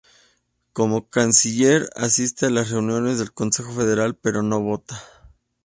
Como canciller, asiste a las reuniones del Consejo Federal pero no vota.